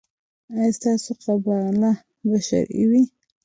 ایا ستاسو قباله به شرعي وي؟